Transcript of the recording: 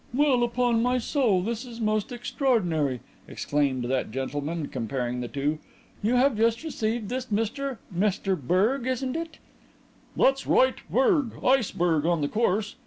"Well, upon my soul this is most extraordinary," exclaimed that gentleman, comparing the two. "You have just received this, Mr Mr Berge, isn't it?" "That's right, Berge 'Iceberg' on the course.